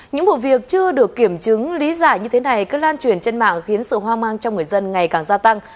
những vụ việc chưa được kiểm chứng lý giải như thế này cứ lan truyền trên mạng khiến sự hoang mang trong người dân ngày càng gia tăng